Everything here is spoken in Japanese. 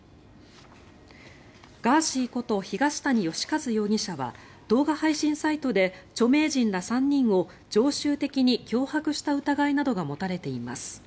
ガーシーこと東谷義和容疑者は動画配信サイトで著名人ら３人を常習的に脅迫した疑いなどが持たれています。